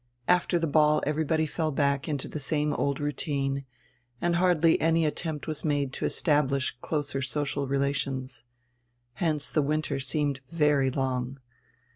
After the ball everybody fell back into tire same old routine, and hardly any attempt was made to establish closer social relations. Hence tire winter seemed very long.